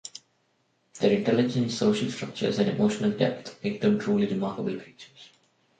Their intelligence, social structures, and emotional depth make them truly remarkable creatures.